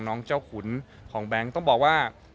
น้องเจ้าขุนของแบงค์ต้องบอกว่า